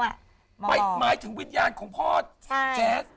หมายถึงวิญญาณของพ่อแจ๊ส